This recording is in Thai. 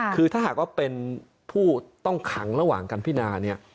คือถ้าหากว่าเป็นผู้ต้องขังระหว่างการพินาเนี่ย